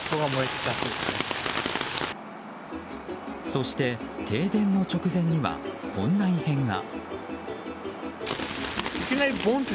そして、停電の直前にはこんな異変が。